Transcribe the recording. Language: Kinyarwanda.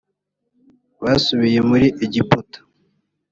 basubiye muri egiputa